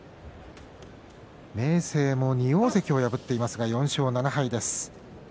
明生も２大関を破っていますが４勝７敗です。